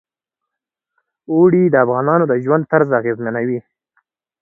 اوړي د افغانانو د ژوند طرز اغېزمنوي.